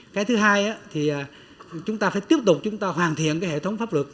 cái thứ hai thì chúng ta phải tiếp tục hoàn thiện hệ thống pháp luật